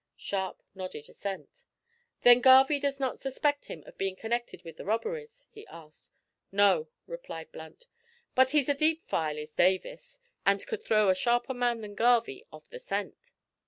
Sharp nodded assent. "Then Garvie does not suspect him of being connected with the robberies?" he asked. "No," replied Blunt; "but he's a deep file is Davis, and could throw a sharper man than Garvie off the scent."